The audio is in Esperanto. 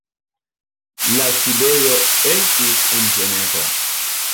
La sidejo estis en Ĝenevo.